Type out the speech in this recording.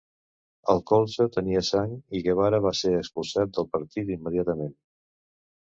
El colze tenia sang i Guevara va ser expulsat del partit immediatament.